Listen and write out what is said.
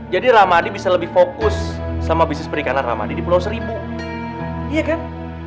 jadi ramadi bisa lebih fokus sama bisnis perikanan ramadi di pulau seribu iya kan